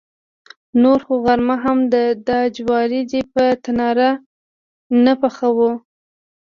نوره خو غرمه هم ده، دا جواری دې په تناره نه پخاوه.